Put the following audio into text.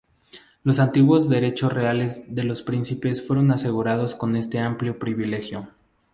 Los antiguos derechos reales de los príncipes fueron asegurados con este amplio privilegio.